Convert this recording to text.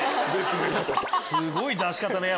すごい出し方ね！